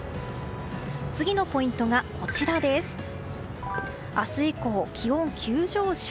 次のポイントが明日以降、気温急上昇。